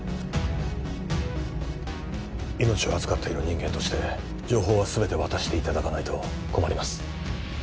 命を預かっている人間として情報は全て渡していただかないと困ります